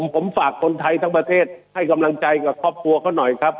ผมฝากคนไทยทั้งประเทศให้กำลังใจกับครอบครัวเขาหน่อยครับ